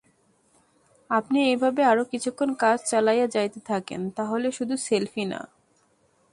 আপনি এইভাবে আরও কিছুক্ষণ কাজ চালায়া যাইতে থাকেন, তাইলে শুধু সেলফি না।